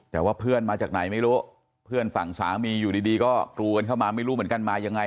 แต่ว่าเพื่อนมาจากไหนไม่รู้เพื่อนฝั่งสามีอยู่ดีก็กรูกันเข้ามาไม่รู้เหมือนกันมายังไง